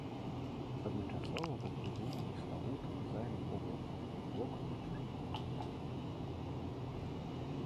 Адначасова быў прыдуманы славуты дызайн вокладкі глыбокага чырвонага колеру.